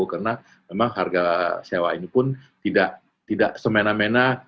karena memang harga sewa ini pun tidak semena mena